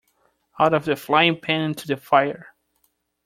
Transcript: Out of the frying-pan into the fire.